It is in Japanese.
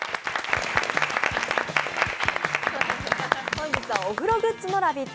本日はお風呂グッズのラヴィット！